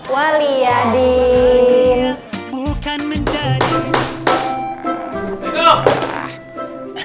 wala'antum abidun nama'abud